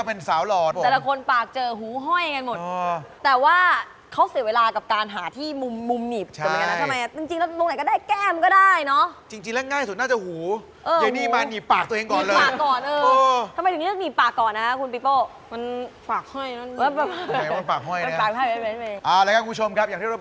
เอากลับบ้านไปเลย